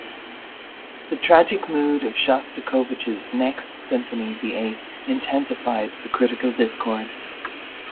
The tragic mood of Shostakovich's next symphony, the Eighth, intensified the critical discord.